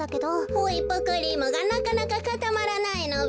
ホイップクリームがなかなかかたまらないのべ。